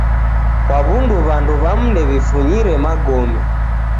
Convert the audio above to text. Kwa w'undu w'andu w'amu ndew'ifunyire magome